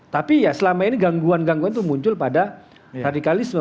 tapi ya selama ini gangguan gangguan itu muncul pada radikalisme